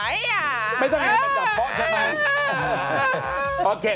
ไม่ต้องไม่ต้องรพเปาะฉะนั้น